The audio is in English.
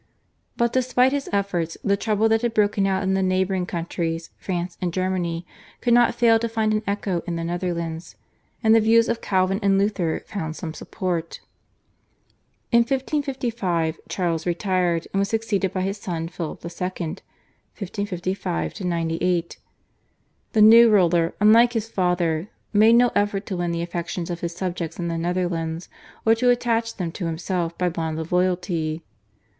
But despite his efforts the trouble that had broken out in the neighbouring countries, France and Germany, could not fail to find an echo in the Netherlands, and the views of Calvin and Luther found some support. In 1555 Charles retired and was succeeded by his son Philip II. (1555 98). The new ruler unlike his father made no effort to win the affections of his subjects in the Netherlands, or to attach them to himself by bonds of loyalty.